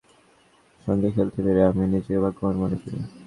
তবে তামিমের মতো ক্রিকেটারের সঙ্গে খেলতে পেরে আমিও নিজেকে ভাগ্যবান মনে করি।